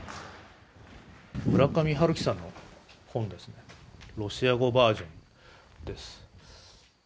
村上春樹さんの本ですね、ロシア語バージョンです。